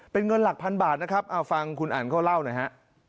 เป็นเงินหลักพันบาทนะครับเอาฟังคุณอันเขาเล่าหน่อยฮะ